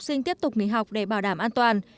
xin tiếp tục nghỉ học để bảo đảm an toàn